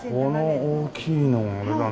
この大きいのもあれだな。